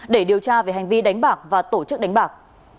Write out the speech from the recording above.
để điều tra về hành vi đánh bạc và tổ chức đánh bạc